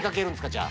じゃあ。